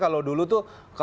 kalau dulu itu